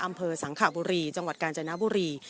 อำเภอสังขบุรีจังหวัดกาญจนบุรี